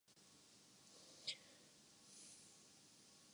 میں ان کو دیکھتا اور کچھ سوچے بغیر